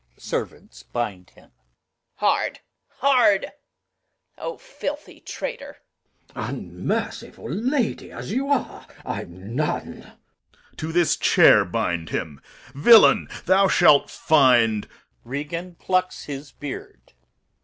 [Servants bind him.] Reg. Hard, hard. O filthy traitor! Glou. Unmerciful lady as you are, I am none. Corn. To this chair bind him. Villain, thou shalt find [Regan plucks his beard.